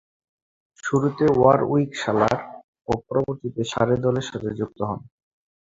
শুরুতে ওয়ারউইকশায়ার ও পরবর্তীতে সারে দলের সাথে যুক্ত হন।